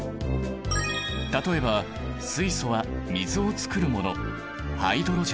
例えば水素は水を作るもの